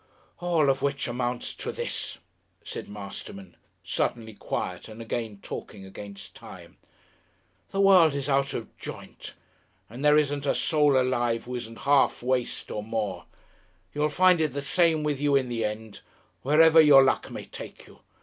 "All of which amounts to this," said Masterman, suddenly quiet and again talking against time. "The world is out of joint, and there isn't a soul alive who isn't half waste or more. You'll find it the same with you in the end, wherever your luck may take you....